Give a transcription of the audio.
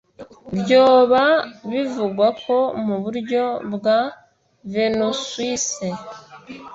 vyoba bivugwa ko, muburyo bwa venuswise,